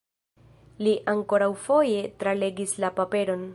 Li ankoraŭfoje tralegis la paperon.